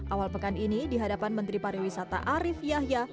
awal pekan ini dihadapan menteri pariwisata arief yahya